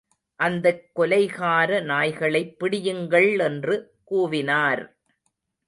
அந்தக் கொலைகார நாய்களைப் பிடியுங்கள் என்று கூவினார்.